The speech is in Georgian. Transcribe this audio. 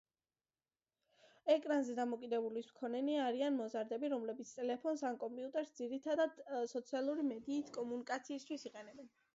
ეკრანზე დამოკიდებულების მქონენი არიან მოზარდები, რომლებიც ტელეფონს ან კომპიუტერს ძირითადად სოციალური მედიით კომუნიკაციისთვის იყენებენ.